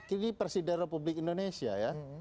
ini presiden republik indonesia ya